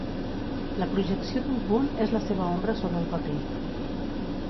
La projecció d'un punt és la seva ombra sobre el paper.